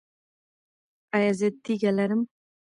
ایا زه تیږه لرم؟